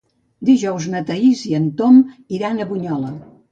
Dijous na Thaís i en Tom iran a Bunyola.